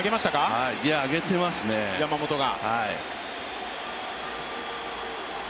ギアを上げていますね、山本が。